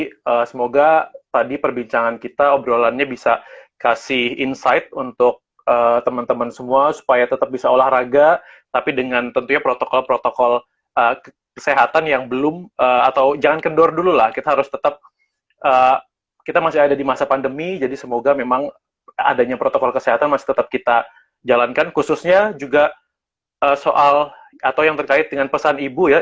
nah jadi tadi semoga tadi perbincangan kita obrolannya bisa kasih insight untuk teman teman semua supaya tetap bisa olahraga tapi dengan tentunya protokol protokol kesehatan yang belum atau jangan kendor dulu lah kita harus tetap kita masih ada di masa pandemi jadi semoga memang adanya protokol kesehatan masih tetap kita jalankan khususnya juga soal atau yang terkait dengan pesan ibu ya inget tiga m